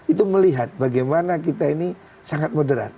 itu melihat bagaimana kita ini sangat moderat